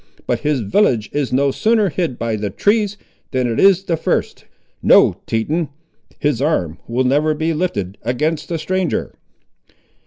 But his village is no sooner hid by the trees, than it is the first. No, Teton; his arm will never be lifted against the stranger."